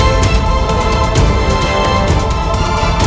dan ada juga tempat berubah